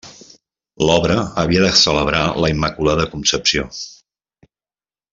L'obra havia de celebrar la Immaculada Concepció.